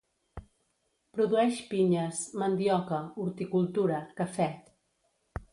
Produeix pinyes, mandioca, horticultura, cafè.